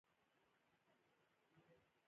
سرجنټ وویل چې دوی فاشیستان دي او همکاري کوي